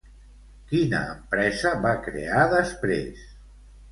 Quina empresa va crear després?